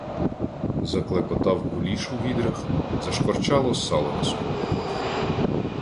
Заклекотав куліш у відрах, зашкварчало сало на сковородах.